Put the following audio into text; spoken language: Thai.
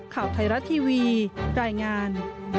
ข่าวไทยรัฐทีวีรายงาน